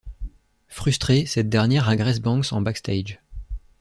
Frustrée, cette-dernière agresse Banks en backstage.